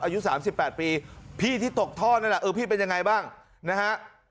อายุ๓๘ปีพี่ที่ตกท่อนั่นแหละเออพี่เป็นยังไงบ้างนะฮะ